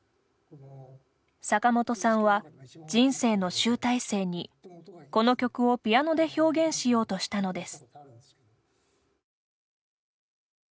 坂本さんは、人生の集大成にこの曲をピアノ１本で表現しようとしたのです。」）